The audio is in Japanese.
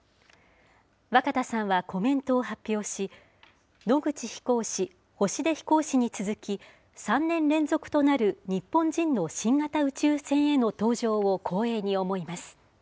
若田さんはコメントを発表し、野口飛行士、星出飛行士に続き、３年連続となる日本人の新型宇宙船への搭乗を光栄に思います。